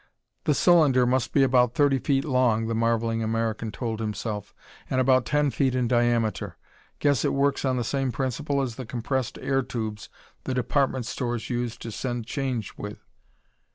"The cylinder must be about thirty feet long," the marvelling American told himself, "and about ten feet in diameter. Guess it works on the same principle as the compressed air tubes the department stores use to send change with."